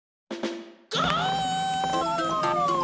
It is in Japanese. ゴー！